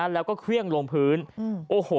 แล้วก็เครื่องลงพื้นโอ้โห